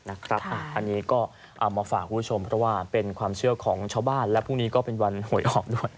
อันนี้ก็เอามาฝากคุณผู้ชมเพราะว่าเป็นความเชื่อของชาวบ้านและพรุ่งนี้ก็เป็นวันหวยออกด้วย